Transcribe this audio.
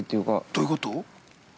◆どういうこと？